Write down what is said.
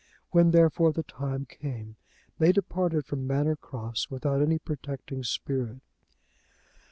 When, therefore, the time came, they departed from Manor Cross without any protecting spirit.